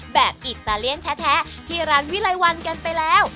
อิตาเลียนแท้ที่ร้านวิไลวันกันไปแล้ว